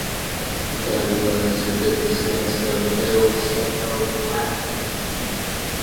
The county lies within the Sandstone Hills physiographic region.